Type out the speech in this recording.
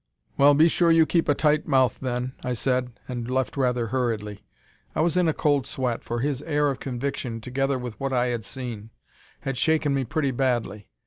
"'Well, be sure you keep a tight mouth then,' I said, and left rather hurriedly. I was in a cold sweat, for his air of conviction, together with what I had seen, had shaken me pretty badly.